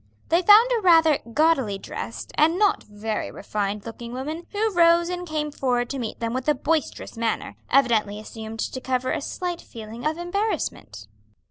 They found a rather gaudily dressed, and not very refined looking woman, who rose and came forward to meet them with a boisterous manner, evidently assumed to cover a slight feeling of embarrassment.